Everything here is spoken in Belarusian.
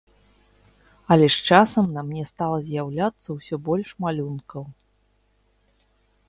Але з часам на мне стала з'яўляцца ўсё больш малюнкаў.